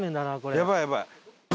やばいやばい。